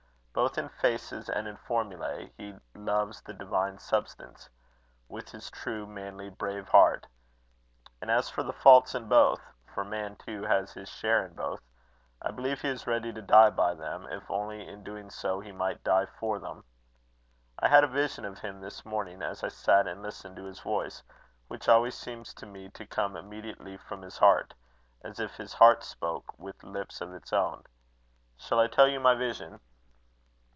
Both in faces and in formulae he loves the divine substance, with his true, manly, brave heart; and as for the faults in both for man, too, has his share in both I believe he is ready to die by them, if only in so doing he might die for them. I had a vision of him this morning as I sat and listened to his voice, which always seems to me to come immediately from his heart, as if his heart spoke with lips of its own. Shall I tell you my vision?